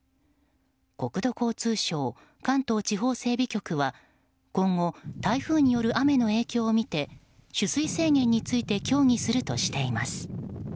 国道交通省関東地方整備局は今後、台風による雨の影響を見て取水制限について協議するとしています。